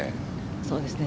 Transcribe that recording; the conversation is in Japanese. そうですね。